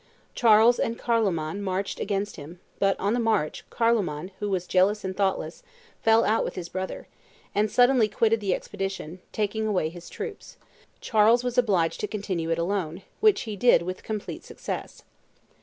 Charles and Carloman marched against him; but, on the march, Carloman, who was jealous and thoughtless, fell out with his brother, and suddenly quitted the expedition, taking away his troops. Charles was obliged to continue it alone, which he did with complete success.